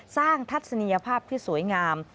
สร้างทัศนียภาพที่สวยงาม